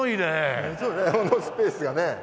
このスペースがね。